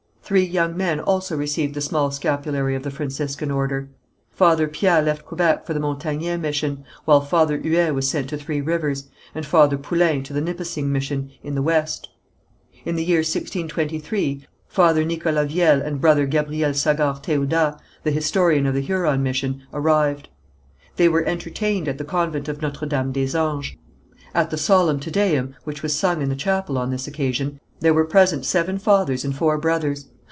Three young men also received the small scapulary of the Franciscan order. Father Piat left Quebec for the Montagnais mission, while Father Huet was sent to Three Rivers, and Father Poullain to the Nipissing mission in the west. In the year 1623, Father Nicholas Viel and Brother Gabriel Sagard Théodat, the historian of the Huron mission, arrived. They were entertained at the convent of Notre Dame des Anges. At the solemn Te Deum, which was sung in the chapel on this occasion, there were present seven fathers and four brothers.